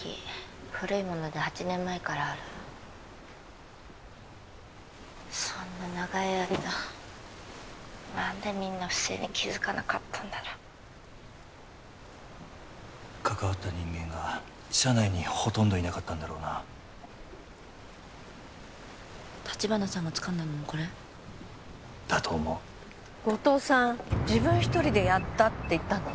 古いもので８年前からあるそんな長い間何でみんな不正に気づかなかったんだろう関わった人間が社内にほとんどいなかったんだろうな橘さんがつかんだのもこれ？だと思う後藤さん自分一人でやったって言ったのね・